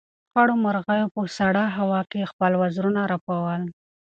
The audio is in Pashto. خړو مرغیو په سړه هوا کې خپل وزرونه رپول.